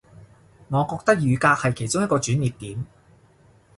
我覺得雨革係其中一個轉捩點